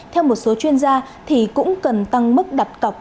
theo một số chuyên gia thì cũng cần tăng mức đặt cọc